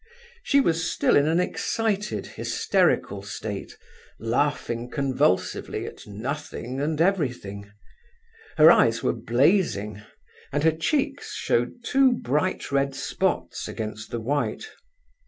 She was still in an excited, hysterical state, laughing convulsively at nothing and everything. Her eyes were blazing, and her cheeks showed two bright red spots against the white.